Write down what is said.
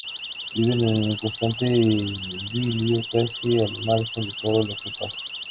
Viven en un constante idilio, casi al margen de todo lo que pasa.